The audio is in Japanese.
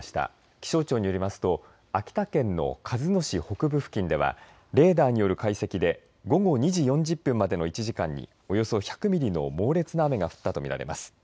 気象庁によりますと秋田県の鹿角市北部付近ではレーダーによる解析で午後２時４０分までの１時間におよそ１００ミリの猛烈な雨が降ったと見られます。